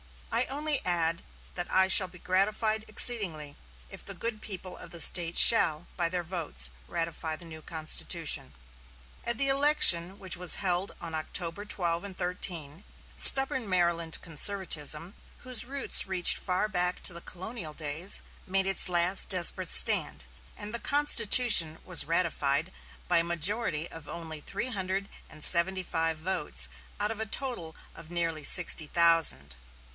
I only add that I shall be gratified exceedingly if the good people of the State shall, by their votes, ratify the new constitution." At the election which was held on October 12 and 13, stubborn Maryland conservatism, whose roots reached far back to the colonial days, made its last desperate stand, and the constitution was ratified by a majority of only three hundred and seventy five votes out of a total of nearly sixty thousand.